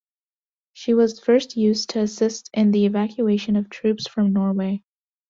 She was first used to assist in the evacuation of troops from Norway.